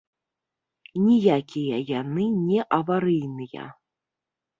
Ніякія яны не аварыйныя.